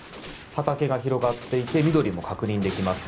畑が広がっていて緑も確認できます。